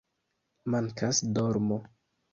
Mankas dormo